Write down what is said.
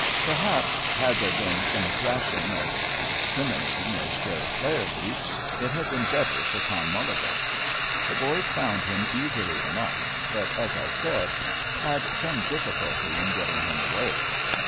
Perhaps, had there been some thrashing as discriminating as Jerry Flaherty's, it had been better for Tom Mulligan. The boys found him easily enough, but, as I said, had some difficulty in getting him away.